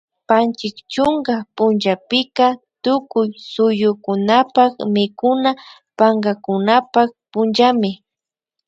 Panchi chunka punllapika tukuy suyukunapak mikuna pankakunapak punllami